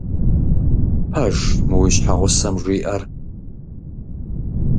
Пэж мы, уи щхьэгъусэм жиӀэр?